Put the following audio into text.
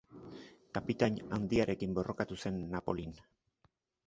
Kapitain Handiarekin borrokatu zen Napolin.